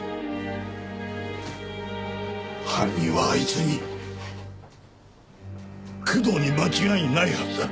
犯人はあいつに工藤に間違いないはずだ。